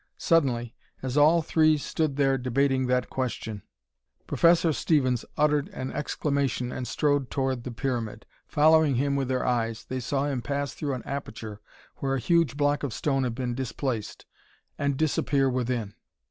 Suddenly, as all three stood there debating that question, Professor Stevens uttered an exclamation and strode toward the pyramid. Following him with their eyes, they saw him pass through an aperture where a huge block of stone had been displaced and disappear within.